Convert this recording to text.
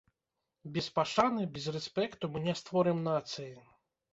Без пашаны, без рэспекту мы не створым нацыі.